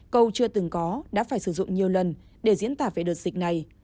câu chưa từng có đã phải sử dụng nhiều lần để diễn tả về đợt dịch này